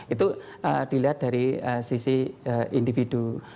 itu dilihat dari sisi individu